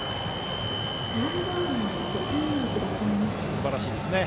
すばらしいですね。